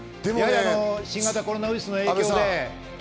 新型コロナウイルスの影響で。